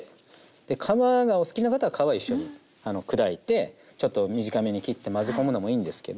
皮がお好きな方は皮一緒に砕いてちょっと短めに切って混ぜ込むのもいいんですけど